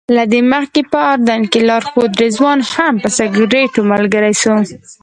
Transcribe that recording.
له دې مخکې په اردن کې لارښود رضوان هم په سګرټو ملګری شو.